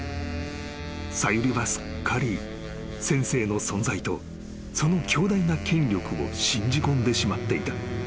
［さゆりはすっかり先生の存在とその強大な権力を信じこんでしまっていた］